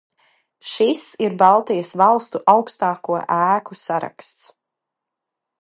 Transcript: Šis ir Baltijas valstu augstāko ēku saraksts.